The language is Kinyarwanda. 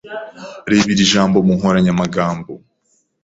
Reba iri jambo mu nkoranyamagambo.